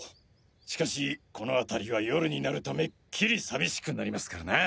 しかしこの辺りは夜になるとめっきり寂しくなりますからなぁ。